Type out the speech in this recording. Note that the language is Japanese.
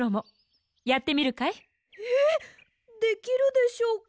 えっできるでしょうか。